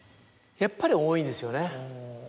やっぱり多いんですよねはい。